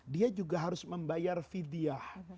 dia juga harus membayar vidyah